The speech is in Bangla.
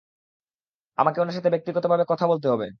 আমাকে উনার সাথে ব্যক্তিগতভাবে কথা বলতে হবে।